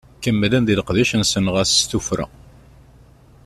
Kemmlen di leqdic-nsen ɣas s tuffra.